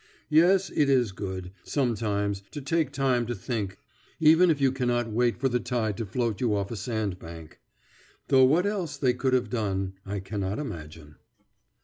Yes, it is good, sometimes, to take time to think, even if you cannot wait for the tide to float you off a sandbank. Though what else they could have done, I cannot imagine.